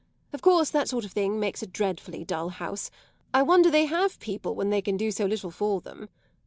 Of course that sort of thing makes a dreadfully dull house; I wonder they have people when they can do so little for them.